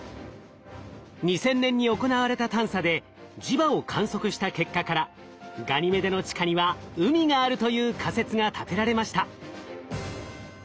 ２０００年に行われた探査で磁場を観測した結果からガニメデの地下には海があるという仮説が立てられました。